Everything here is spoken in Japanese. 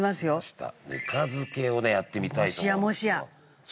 ぬか漬けをねやってみたいと思うんですよ。